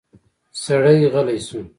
سړی غلی شو.